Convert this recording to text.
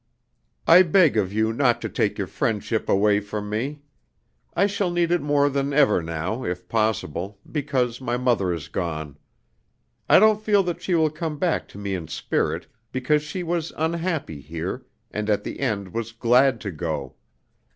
"I beg of you not to take your friendship away from me. I shall need it more than ever now, if possible, because my mother is gone. I don't feel that she will come back to me in spirit, because she was unhappy here, and at the end was glad to go.